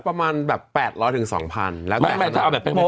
ประมาณแบบ๘๐๐ถึง๒๐๐๐แล้วก็